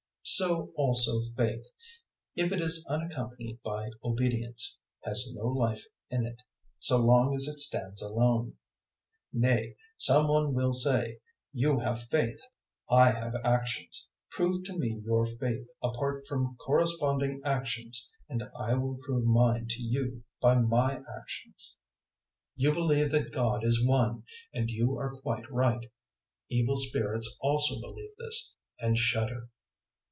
002:017 So also faith, if it is unaccompanied by obedience, has no life in it so long as it stands alone. 002:018 Nay, some one will say, "You have faith, I have actions: prove to me your faith apart from corresponding actions and I will prove mine to you by my actions. 002:019 You believe that God is one, and you are quite right: evil spirits also believe this, and shudder."